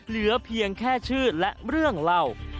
เหลือเพียงแค่ชื่อและเรื่องเล่า